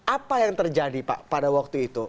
apa yang terjadi pak pada waktu itu